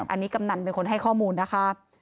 อันนี้กำนันเป็นคนให้ข้อมูลนะคะ